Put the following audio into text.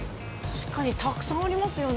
確かにたくさんありますよね。